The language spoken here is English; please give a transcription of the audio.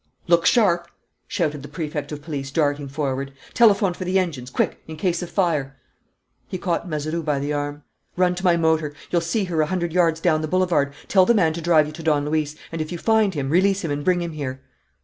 "Look sharp!" shouted the Prefect of Police, darting forward. "Telephone for the engines, quick, in case of fire!" He caught Mazeroux by the arm: "Run to my motor; you'll see her a hundred yards down the boulevard. Tell the man to drive you to Don Luis, and, if you find him, release him and bring him here."